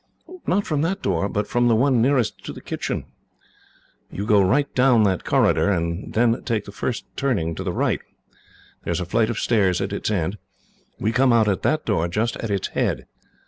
"Not from that door, but from the one nearest to the kitchen. You go right down that corridor, and then take the first turning to the right. There is a flight of stairs at its end. We come out at the door just at its head.